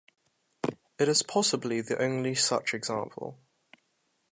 It is possibly the only such example.